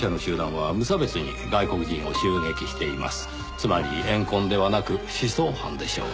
つまり怨恨ではなく思想犯でしょう。